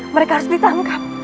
mereka harus ditangkap